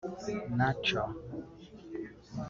Nacho